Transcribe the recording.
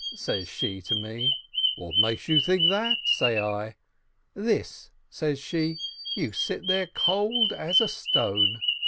says she to me. "What makes you think that?" say I. — "This," says she, "you sit there cold as a stone!